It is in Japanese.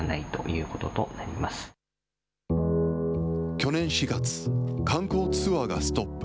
去年４月、観光ツアーがストップ。